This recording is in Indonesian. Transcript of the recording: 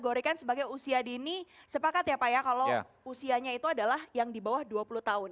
digorekan sebagai usia dini sepakat ya pak ya kalau usianya itu adalah yang di bawah dua puluh tahun